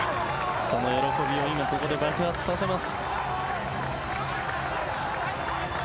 その喜びを今、ここで爆発させます。